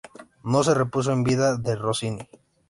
No se repuso en vida de Rossini.